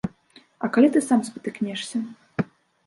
А калі ты сам спатыкнешся?